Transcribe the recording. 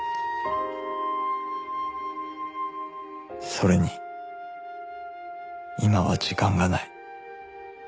それに今は時間がない